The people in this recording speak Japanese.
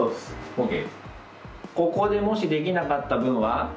ＯＫ！